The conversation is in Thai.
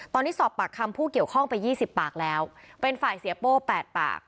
ตอนนี้สอบปากคำผู้เกี่ยวข้องไป๒๐ปากแล้วเป็นฝ่ายเสียโป้๘ปาก